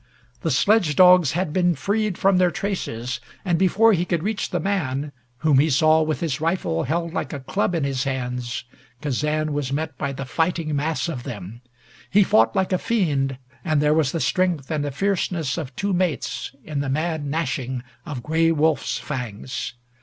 The sledge dogs had been freed from their traces, and before he could reach the man, whom he saw with his rifle held like a club in his hands, Kazan was met by the fighting mass of them. He fought like a fiend, and there was the strength and the fierceness of two mates in the mad gnashing of Gray Wolf's fangs.